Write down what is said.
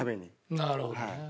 なるほどね。